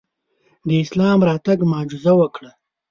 د اسلام راتګ معجزه وکړه.